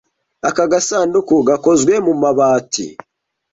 Aka gasanduku gakozwe mu mabati.